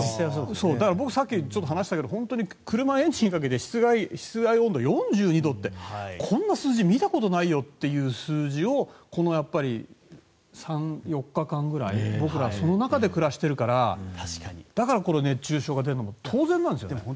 僕、さっき話したけど本当に車のエンジンかけて室外温度、４２度ってこんな数字見たことないよって数字をこの３４日間ぐらい僕らその中で暮らしているからだから、熱中症が出るのも当然なんですよね。